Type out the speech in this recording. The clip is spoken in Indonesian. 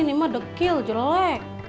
ini mah dekil jelek